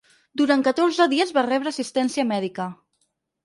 Durant catorze dies va rebre assistència mèdica.